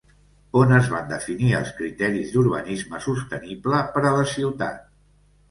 On es van definir els criteris d'urbanisme sostenible per a la ciutat?